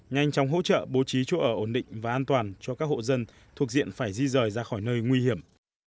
nhanh chóng hỗ trợ bố trí chỗ ở ổn định và an toàn cho các hộ dân thuộc diện phải di rời ra khỏi nơi nguy hiểm